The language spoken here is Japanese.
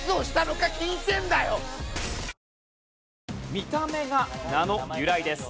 見た目が名の由来です。